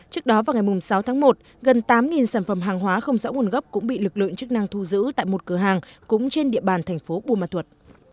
trước đó vào ngày sáu tháng một gần tám sản phẩm hàng hóa không rõ nguồn gốc cũng bị lực lượng chức năng thu giữ tại một cửa hàng cũng trên địa bàn thành phố buôn ma thuật